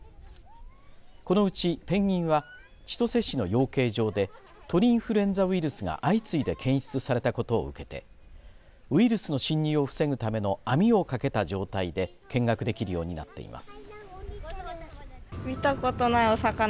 このうち、ペンギンは千歳市の養鶏場で鳥インフルエンザウイルスが相次いで検出されたことを受けてウイルスの侵入を防ぐための網をかけた状態で見学できるようになっています。